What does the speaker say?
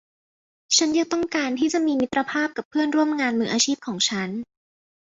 ฉันยังต้องการที่จะมีมิตรภาพกับเพื่อนร่วมงานมืออาชีพของฉัน